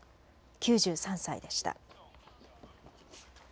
９３歳でした。